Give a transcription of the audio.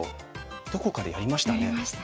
どこかでやりましたね。